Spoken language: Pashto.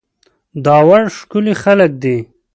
داوړ ښکلي خلک دي